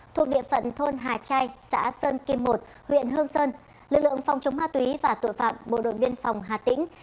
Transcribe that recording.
thuộc địa phận thôn hà trai xã sơn kim một huyện hương sơn lực lượng phòng chống ma túy và tội phạm bộ đội biên phòng hà tĩnh